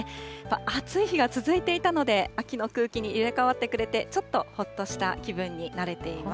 暑い日が続いていたので、秋の空気に入れ替わってくれて、ちょっとほっとした気分になれています。